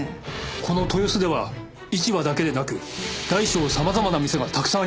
この豊洲では市場だけでなく大小様々な店がたくさんあります。